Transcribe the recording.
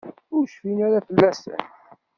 Ur cfin ara fell-asen.